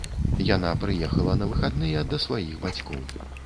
Яна прыехала на выхадныя да сваіх бацькоў.